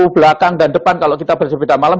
belakang dan depan kalau kita bersepeda malam